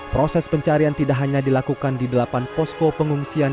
proses pencarian tidak hanya dilakukan di delapan posko pengungsian